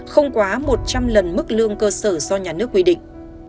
không quá một trăm linh lần mức lương cơ sở do nhà nước quy định